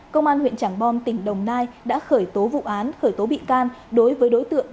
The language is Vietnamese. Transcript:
công an huyện trảng bom tỉnh đồng nai đã khởi tố vụ án khởi tố bị can đối với đối tượng